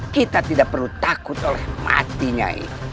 kita tidak perlu takut oleh matinya ini